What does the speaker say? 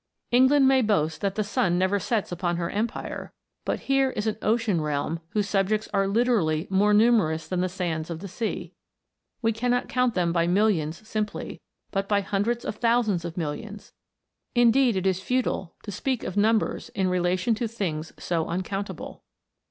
England may boast that the sun never sets upon her empire; but here is an ocean realm whose subjects are literally more numerous than the sands of the sea. We cannot count them by millions simply, but by hundreds of thousands of millions. Indeed, it is futile to speak of numbers in relation to things so uncountable.